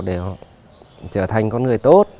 để trở thành con người tốt